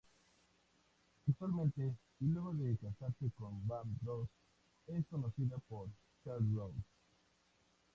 Actualmente y luego de casarse con Bam Ross, es conocida por Share Ross.